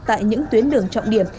tại những tuyến đường trọng điểm